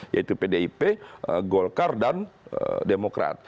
yaitu pdip golkar dan demokrat